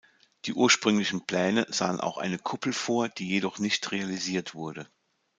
Die ursprünglichen Pläne sahen auch eine Kuppel vor, die jedoch nicht realisiert wurde.